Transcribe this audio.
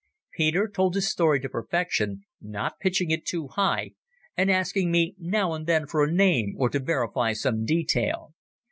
Peter told his story to perfection, not pitching it too high, and asking me now and then for a name or to verify some detail.